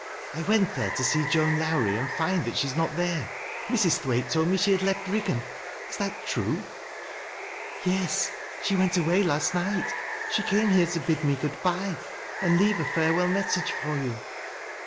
" I went there to see Joan Lowrie, and find that she is not there. Mj s, Thwaite told me that she had left Riggan. Ie that true? "" Yes. She went away last night. She came here to bid me good bye, and eave a farewell message for you." 254 TEAT LASS 0' LOWRIB'b.